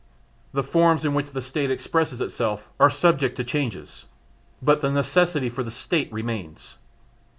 The forms in which the State expresses itself are subject to changes, but the necessity for the State remains.